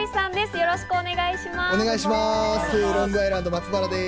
よろしくお願いします。